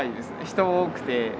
人多くて。